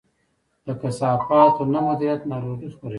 د کثافاتو نه مدیریت ناروغي خپروي.